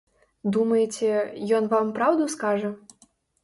Думаеце, ён вам праўду скажа?